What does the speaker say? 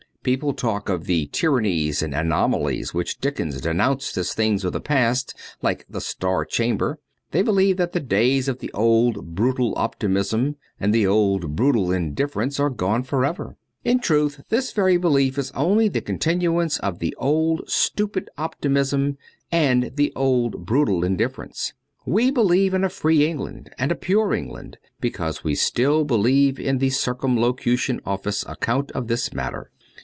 People talk of the tyrannies and anomalies which Dickens denounced as things of the past like the Star Chamber. They believe that the days of the old brutal optimism and the old brutal indiffer ence are gone for ever. In truth, this very belief is only the continuance of the old stupid optimism and the old brutal indifference. We believe in a free England and a pure England, because we still believe in the Circumlocution Office account of this matter.